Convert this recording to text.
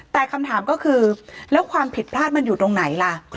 แต่คำถามก็คือแล้วความผิดพลาดมันอยู่ตรงไหนล่ะ